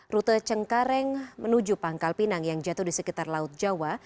rute cengkareng menuju pangkal pinang yang jatuh di sekitar laut jawa